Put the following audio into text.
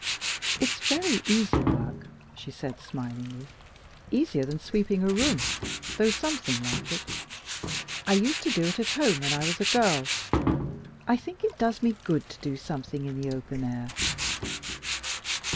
"It's very easy work," she said smilingly, "easier than sweeping a room, though something like it. I used to do it at home when I was a girl. I think it does me good to do something in the open air."